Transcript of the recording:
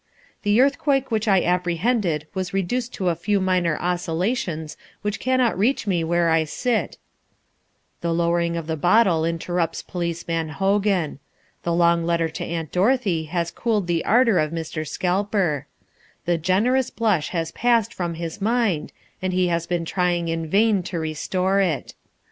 The earthquake which I apprehended was reduced to a few minor oscillations which cannot reach me where I sit " The lowering of the bottle interrupts Policeman Hogan. The long letter to Aunt Dorothea has cooled the ardour of Mr. Scalper. The generous blush has passed from his mind and he has been trying in vain to restore it.